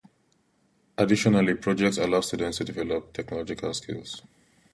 Additionally, projects allow students to develop technological skills.